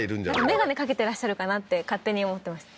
眼鏡掛けてらっしゃるかなって勝手に思ってました